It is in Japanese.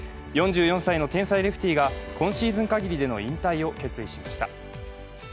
４４歳の天才レフティーが今シーズン限りでの引退を決意しました。